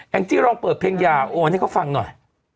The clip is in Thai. งจี้ลองเปิดเพลงอย่าโอนให้เขาฟังหน่อย